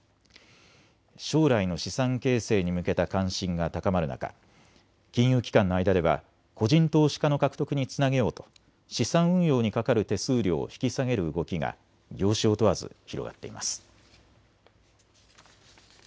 将来の資産形成に向けた関心が高まる中、金融機関の間では個人投資家の獲得につなげようと資産運用にかかる手数料を引き下げる動きが業種を問わず広がっています。